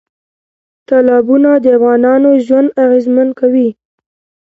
تالابونه د افغانانو ژوند اغېزمن کوي.